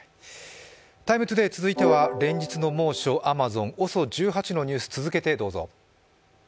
「ＴＩＭＥ，ＴＯＤＡＹ」続いては連日の猛暑、アマゾン、ＯＳＯ１８のニュース、続けてどうぞ。